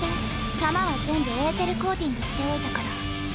弾は全部エーテルコーティングしておいたから。